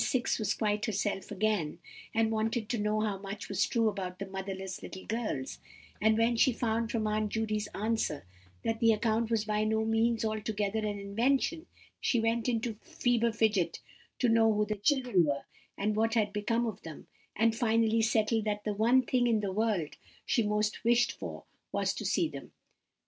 6 was quite herself again, and wanted to know how much was true about the motherless little girls; and when she found from Aunt Judy's answer that the account was by no means altogether an invention, she went into a fever fidget to know who the children were, and what had become of them; and finally settled that the one thing in the world she most wished for, was to see them.